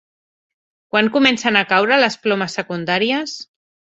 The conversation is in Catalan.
Quan comencen a caure les plomes secundàries?